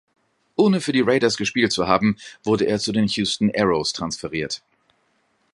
Ohne für die Raiders gespielt zu haben, wurde er zu den Houston Aeros transferiert.